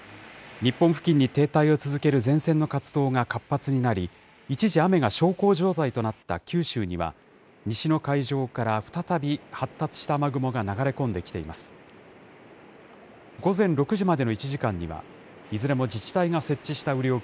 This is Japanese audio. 日本付近に停滞を続ける前線の活動が活発になり、一時雨が小康状態となった九州には、西の海上から再び発達した雨雲が流れ込んできています。